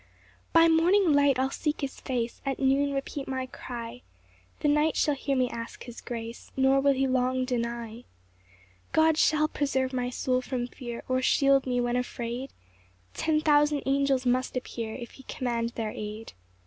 7 By morning light I'll seek his face, At noon repeat my cry, The night shall hear me ask his grace, Nor will he long deny. 8 God shall preserve my soul from fear, Or shield me when afraid; Ten thousand angels must appear If he command their aid.